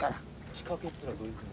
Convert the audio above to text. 仕掛けっていうのはどういうふうな？